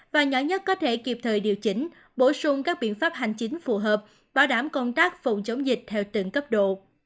và nhỏ nhất có thể kịp thời điều chỉnh bổ sung các biện pháp hành chính phù hợp bảo đảm công tác phòng chống dịch theo từng cấp độ